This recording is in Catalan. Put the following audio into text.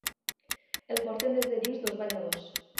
El porten des de dins dos balladors.